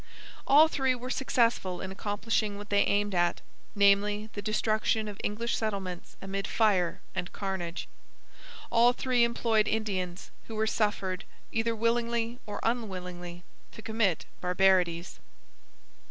All three were successful in accomplishing what they aimed at, namely the destruction of English settlements amid fire and carnage. All three employed Indians, who were suffered, either willingly or unwillingly, to commit barbarities.